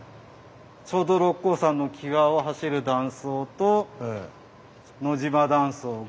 ちょうど六甲山の際を走る断層と野島断層が。